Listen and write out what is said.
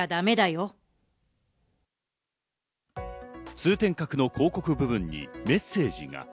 通天閣の広告部分にメッセージが。